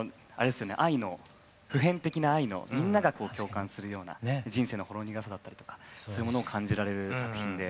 普遍的な愛のみんなが共感するような人生のほろ苦さだったりとかそういうものを感じられる作品で。